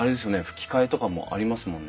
ふき替えとかもありますもんね。